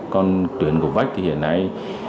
còn tuyển của vách thì hiện nay